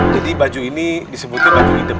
jadi baju ini disebutin baju idem